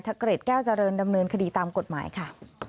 เกร็ดแก้วเจริญดำเนินคดีตามกฎหมายค่ะ